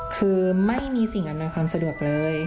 คือไม่มีสิ่งอำนวยความสะดวกเลย